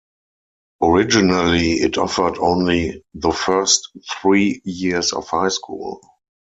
Originally it offered only the first three years of high school.